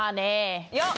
よっ。